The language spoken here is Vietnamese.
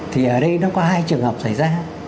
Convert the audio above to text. thì ở đây nó có hai trường hợp xảy ra